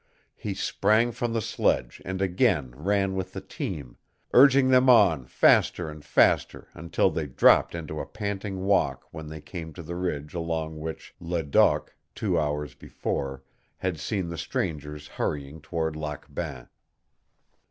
He sprang from the sledge and again ran with the team, urging them on faster and faster until they dropped into a panting walk when they came to the ridge along which Ledoq, two hours before, had seen the strangers hurrying toward Lac Bain.